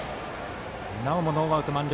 なおもノーアウト満塁。